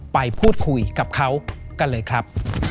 ไปพูดคุยกับเขากันเลยครับ